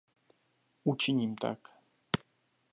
Učiním tak.